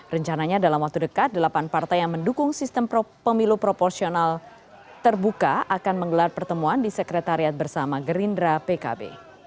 rencananya dalam waktu dekat delapan partai yang mendukung sistem pemilu proporsional terbuka akan menggelar pertemuan di sekretariat bersama gerindra pkb